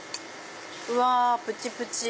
うわプチプチ！